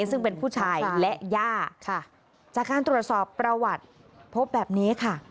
ซึ่งเป็นผู้ชายและย่าค่ะจากการตรวจสอบประวัติพบแบบนี้ค่ะ